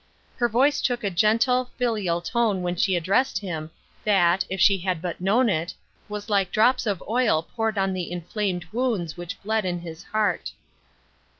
Her voice took a gentle, filial tone when she addressed him, that, if she had but known it, was like drops of oil poured on the inflamed wounds which bled in his heart.